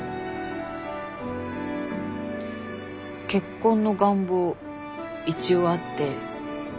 「結婚の願望一応あって。